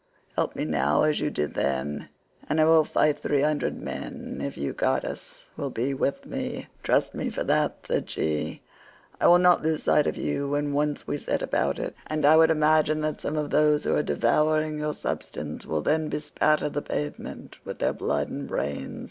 Help me now as you did then, and I will fight three hundred men, if you, goddess, will be with me." "Trust me for that," said she, "I will not lose sight of you when once we set about it, and I imagine that some of those who are devouring your substance will then bespatter the pavement with their blood and brains.